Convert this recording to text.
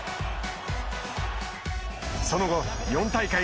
その後４大会